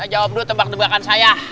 jawab dulu tebak tebakan saya